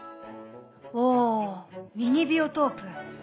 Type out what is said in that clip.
おミニビオトープ。